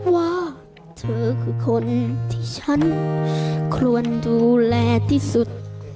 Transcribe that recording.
ว่าเธอคือคนที่ฉันควรดูแลที่สุด